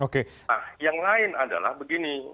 nah yang lain adalah begini